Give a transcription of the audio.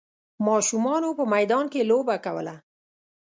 ماشومانو په میدان کې لوبه کوله.